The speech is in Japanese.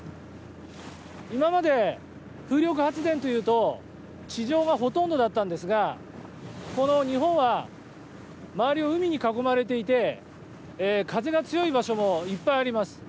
今まで風力発電というと地上がほとんどだったんですがこの日本は周りを海に囲まれていて風が強い場所もいっぱいあります。